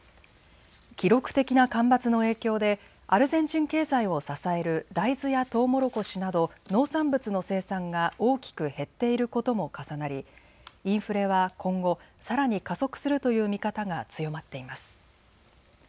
記録的な干ばつの影響でアルゼンチン経済を支える大豆やトウモロコシなど農産物の生産が大きく減っていることも重なりインフレは今後、さらに加速するという見方が強まっています。